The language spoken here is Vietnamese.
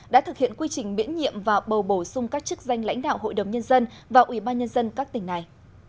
đã thực hiện quy trình miễn nhiệm và bầu bổ sung các chức danh lãnh đạo hội đồng nhân dân và ủy ban nhân dân các tỉnh này